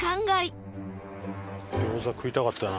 富澤：餃子、食いたかったな。